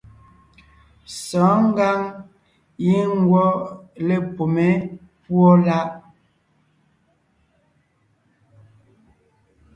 Sɔ̌ɔn ngǎŋ giŋ ngwɔ́ lepumé púɔ láʼ.